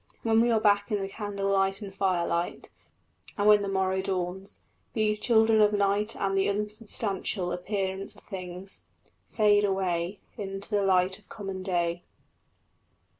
When we are back in the candlelight and firelight, and when the morrow dawns, these children of night and the unsubstantial appearance of things fade away Into the light of common day.